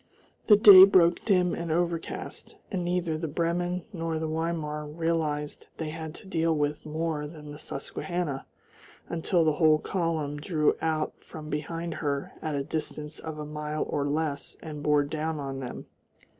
The day broke dim and overcast, and neither the Bremen nor the Weimar realised they had to deal with more than the Susquehanna until the whole column drew out from behind her at a distance of a mile or less and bore down on them.